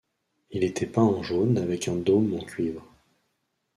Il était peint en jaune avec un dôme en cuivre.